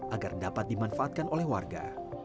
agar dapat dimanfaatkan oleh warga